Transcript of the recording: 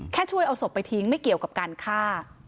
ช่วยเอาศพไปทิ้งไม่เกี่ยวกับการฆ่า